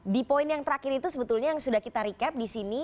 di poin yang terakhir itu sebetulnya yang sudah kita recap di sini